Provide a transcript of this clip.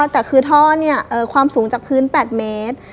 แต่คือท่อความสูงจากพื้น๘เมตร